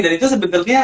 dan itu sebetulnya